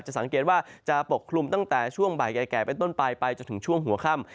สังเกตว่าจะปกคลุมตั้งแต่ช่วงบ่ายแก่เป็นต้นปลายไปจนถึงช่วงหัวค่ำ